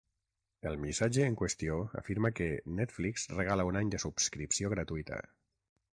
El missatge en qüestió afirma que ‘Netflix regala un any de subscripció gratuïta’.